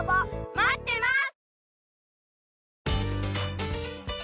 待ってます！